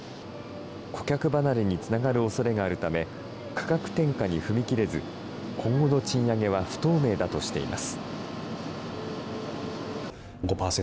顧客離れにつながるおそれがあるため、価格転嫁に踏み切れず、今後の賃上げは不透明だとしています。